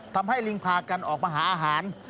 ทำให้ลิงพากันออกมาหาอาหาร